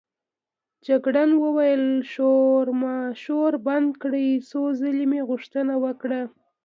جګړن وویل: شورماشور بند کړئ، څو ځلې مې غوښتنه وکړه.